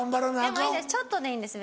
でもちょっとでいいんです